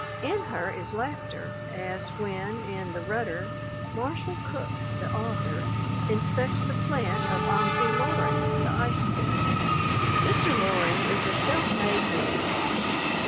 In her is laughter, as when, in The Rudder, Marshall Cook, the author, inspects the plant of Amzi Loring, the "ice king." Mr. Loring is a self made man.